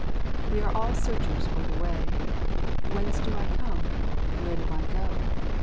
We all are searchers for the Way. Whence do I come; where do I go?